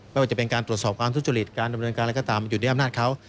ไม่ว่าจะเป็นการตรวจสอบการทุจริตการดำเนินการอะไรก็ตามอยู่ในอำนาจเขา